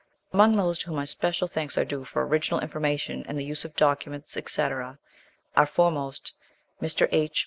Among those to whom my special thanks are due for original information and the use of documents, &c., are, foremost, Mr. H.